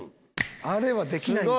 あれはできないです。